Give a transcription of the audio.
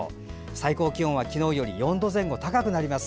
最高気温は昨日より４度前後高くなります。